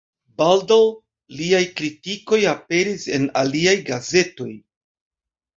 Baldaŭ liaj kritikoj aperis en aliaj gazetoj.